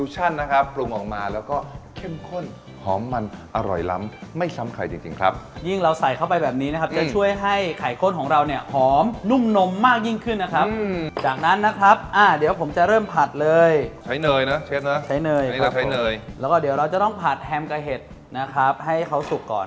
จริงครับยิ่งเราใส่เข้าไปแบบนี้นะครับจะช่วยให้ไข่ข้นของเราเนี่ยหอมนุ่มนมมากยิ่งขึ้นนะครับจากนั้นนะครับอ่ะเดี๋ยวผมจะเริ่มผัดเลยใช้เนยนะเช็ดนะใช้เนยใช้เนยแล้วก็เดี๋ยวเราจะต้องผัดแฮมไก่เห็ดนะครับให้เขาสุกก่อน